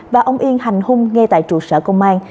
và ông yên hành hung ngay tại trụ sở công an